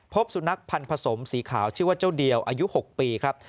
พบสุนัขพันธ์ผสมสีขาวชื่อว่าเจ้าเดียวอายุ๖ปีครับ